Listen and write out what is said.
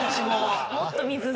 もっと水。